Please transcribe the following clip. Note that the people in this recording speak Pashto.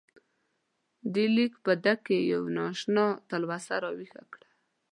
دې لیک په ده کې یوه نا اشنا تلوسه راویښه کړه.